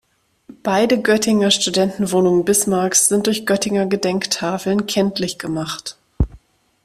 Beide Göttinger Studentenwohnungen Bismarcks sind durch Göttinger Gedenktafeln kenntlich gemacht.